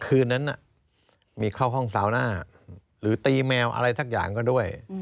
คืนนั้นมีเข้าห้องสาวหน้าหรือตีแมวอะไรสักอย่างก็ด้วย